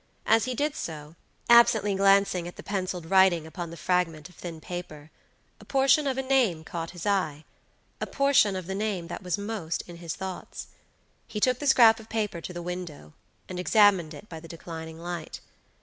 As he did so, absently glancing at the penciled writing upon the fragment of thin paper, a portion of a name caught his eyea portion of the name that was most in his thoughts. He took the scrap of paper to the window, and examined it by the declining light.